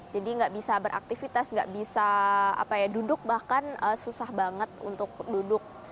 jadi nggak bisa beraktifitas nggak bisa duduk bahkan susah banget untuk duduk